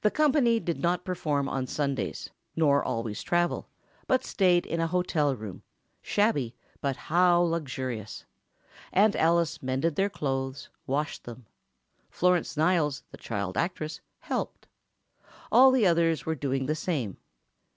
The company did not perform on Sundays—nor always travel—but stayed in a hotel room; shabby, but how luxurious! Aunt Alice mended their clothes—washed them. Florence Niles, the child actress, helped. All the others were doing the same.